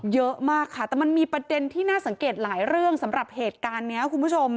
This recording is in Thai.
เยอะมากค่ะแต่มันมีประเด็นที่น่าสังเกตหลายเรื่องสำหรับเหตุการณ์นี้คุณผู้ชม